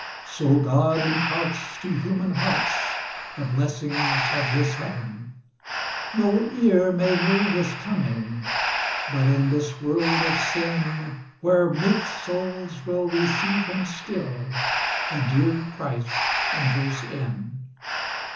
So God imparts to human hearts The blessings of his heaven. No ear may hear his coming; But in this world of sin, Where meek souls will receive him still, The dear Christ enters in.